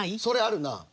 それあるな。